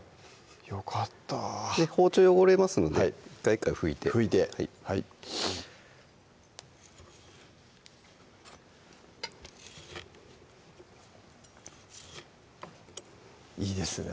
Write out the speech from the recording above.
よかった包丁汚れますので１回１回拭いて拭いてはいいいですね